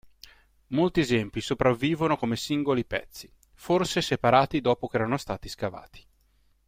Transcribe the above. Molti esempi sopravvivono come singoli pezzi, forse separati dopo che erano stati scavati.